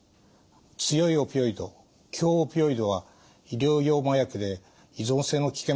強いオピオイド強オピオイドは医療用麻薬で依存性の危険もあるんです。